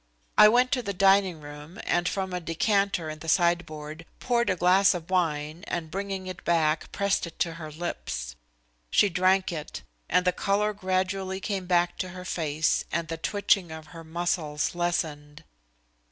I went to the dining room and from a decanter in the sideboard poured a glass of wine and, bringing it back, pressed it to her lips. She drank it, and the color gradually came back to her face and the twitching of her muscles lessened.